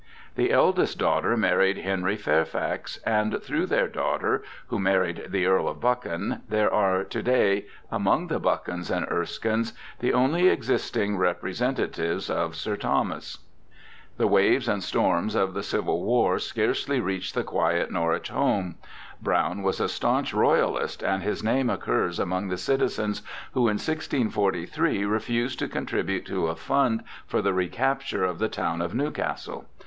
The eldest daughter married Henry Fairfax, and through their daughter, who married the Earl of Buchan, there are to day among the Buchans and Erskines the only existing representatives of Sir Thomas. The waves and storms of the Civil War scarcely reached the quiet Norwich home. Browne was a staunch Royalist, and his name occurs among the citizens who in 1643 refused to contribute to a fund for the recapture of the town of Newcastle.